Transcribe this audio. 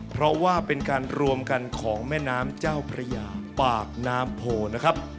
เพราะว่าเป็นการรวมกันของแม่น้ำเจ้าพระยาปากน้ำโพนะครับ